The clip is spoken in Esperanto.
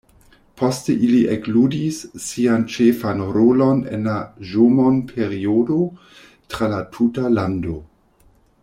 Poste ili ekludis sian ĉefan rolon en la Ĵomon-periodo tra la tuta lando.